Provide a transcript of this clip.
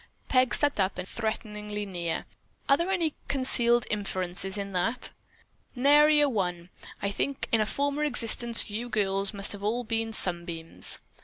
Peg stepped up threateningly near. "Are there any concealed inferences in that?" "Nary a one. I think in a former existence you girls must have all been sunbeams."